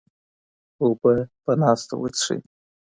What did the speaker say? اوبه په ناسته وڅښئ.